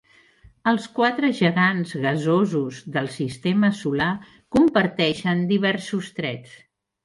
Els quatre gegants gasosos del sistema solar comparteixen diversos trets.